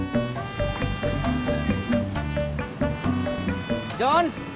mikirnya sambil ngedot aja dulu coy